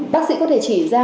bác sĩ có thể chỉ ra